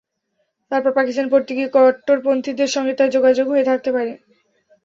তারপর পাকিস্তানে পড়তে গিয়ে কট্টরপন্থীদের সঙ্গে তাঁর যোগাযোগ হয়ে থাকতে পারে।